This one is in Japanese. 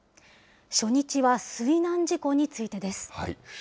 初日は水難事故についてです。